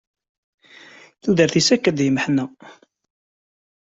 Tudert-is akk d lmeḥna.